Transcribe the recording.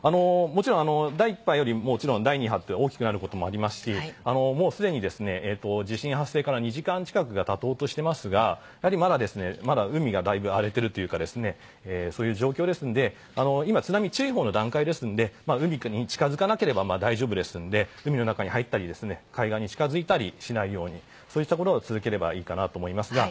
もちろん第１波より第２波は大きくなることもありますしもうすでに地震発生から２時間近くが経とうとしていますがまだ海がだいぶ荒れているそういう状況ですので今は津波注意報の段階ですので海に近づかなければ大丈夫ですので海に入ったり海岸に近づいたりそうしたことを続ければいいかと思います。